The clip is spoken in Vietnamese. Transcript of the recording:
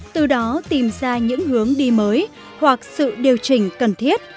từ đó tìm ra những hướng đi mới hoặc sự điều chỉnh cần thiết